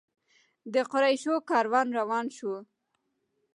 د قریشو کاروان روان شو.